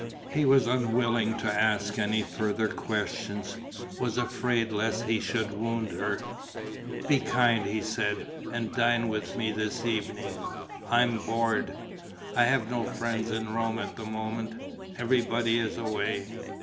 He was unwilling to ask any further questions, was afraid lest he should wound her: "Be kind," he said, "and dine with me this evening. I'm bored. I have no friends in Rome at the moment. Everybody is away.